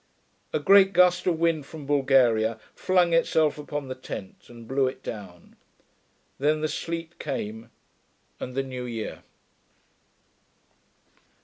A great gust of wind from Bulgaria flung itself upon the tent and blew it down. Then the sleet came, and the new year.